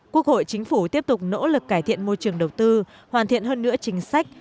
quốc hội chính phủ tiếp tục nỗ lực cải thiện môi trường đầu tư hoàn thiện hơn nữa chính sách